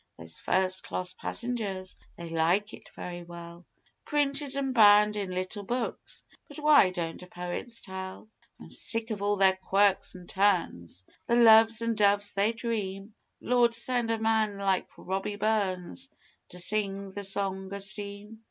Those first class passengers they like it very well, Printed an' bound in little books; but why don't poets tell? I'm sick of all their quirks an' turns the loves an' doves they dream Lord, send a man like Robbie Burns to sing the Song o' Steam!